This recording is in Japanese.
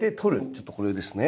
ちょっとこれですね。